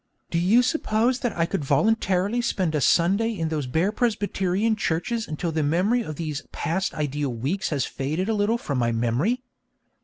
'Do you suppose that I would voluntarily spend a Sunday in those bare Presbyterian churches until the memory of these past ideal weeks has faded a little from my memory?